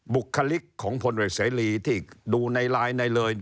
บุคลิกของพเวษรีที่ดูในลายในเลย